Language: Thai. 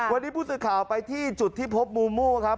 วันนี้ผู้สื่อข่าวไปที่จุดที่พบมูมูครับ